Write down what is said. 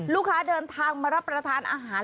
ลูกค้าเดินทางมารับประทานอาหาร